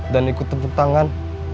dan ikut tepuk tangan